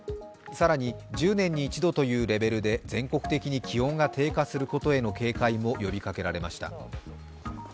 更に１０年に一度というレベルで全国的に気温が低下することへの警戒も呼びかけられました。